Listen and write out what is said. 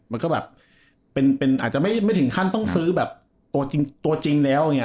มันก็แบบอาจจะไม่ถึงขั้นต้องซื้อแบบตัวจริงแล้วเนี่ย